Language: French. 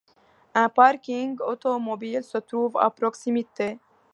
Un parking automobile se trouve à proximité.